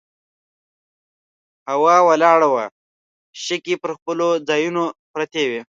هوا ولاړه وه، شګې پر خپلو ځایونو پرتې وې.